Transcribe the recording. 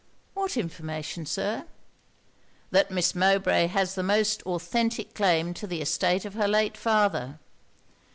'What information, Sir?' 'That Miss Mowbray has the most authentic claim to the estate of her late father.'